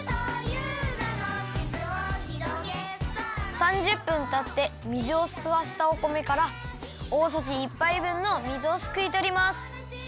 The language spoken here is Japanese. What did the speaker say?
３０分たって水をすわせたお米から大さじ１ぱいぶんの水をすくいとります。